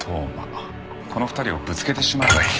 この２人をぶつけてしまえばいい。